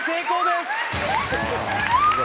すごーい！